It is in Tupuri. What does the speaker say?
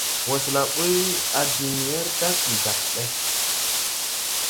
Wɔsɛla ɓuy a diŋ wɛr dage jag ɓɛ.